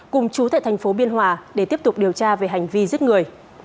cùng chú tại thành phố biên hòa để tiếp tục điều tra về hành vi giết người